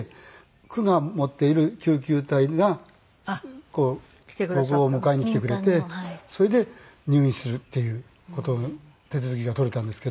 区が持っている救急隊がこう僕を迎えにきてくれてそれで入院するっていう事手続きが取れたんですけど。